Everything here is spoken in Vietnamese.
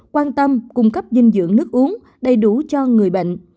quan tâm cung cấp dinh dưỡng nước uống đầy đủ cho người bệnh